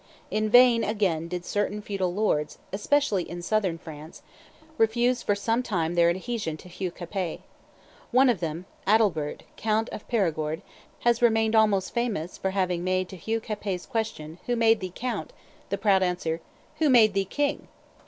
In vain, again, did certain feudal lords, especially in Southern France, refuse for some time their adhesion to Hugh Capet. One of them, Adalbert, count of Perigord, has remained almost famous for having made to Hugh Capet's question, "Who made thee count?" the proud answer, "Who made thee king?"